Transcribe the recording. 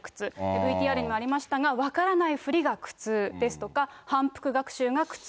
ＶＴＲにもありましたが、分からないふりが苦痛ですとか、反復学習が苦痛。